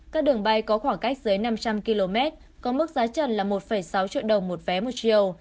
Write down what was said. các đường bay có khoảng cách dưới năm trăm linh km có mức giá trần là một sáu triệu đồng một vé một chiều